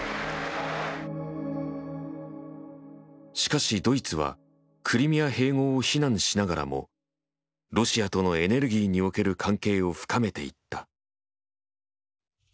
しかしドイツはクリミア併合を非難しながらもロシアとのエネルギーにおける関係を深めていった。